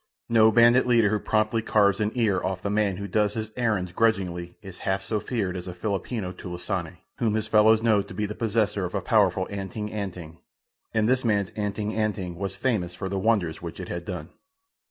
No bandit leader who promptly carves an ear off the man who does his errands grudgingly is half so feared as a Filipino "tulisane" whom his fellows know to be the possessor of a powerful "anting anting." And this man's "anting anting" was famous for the wonders which it had done.